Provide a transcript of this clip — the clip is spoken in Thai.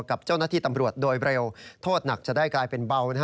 กับเจ้าหน้าที่ตำรวจโดยเร็วโทษหนักจะได้กลายเป็นเบา